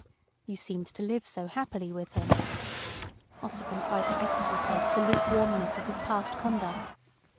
"You seemed to live so happily with him." Ossipon tried to exculpate the lukewarmness of his past conduct.